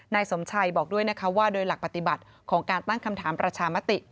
นายสมชัยบอกด้วยนะคะว่าโดยหลักปฏิบัติของการตั้งคำถามประชามติ